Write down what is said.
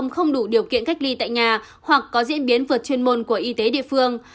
không đủ điều kiện cách ly tại nhà hoặc có diễn biến vượt chuyên môn của y tế địa phương